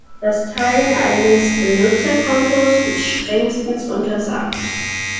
Das Teilen eines Benutzerkontos ist strengstens untersagt.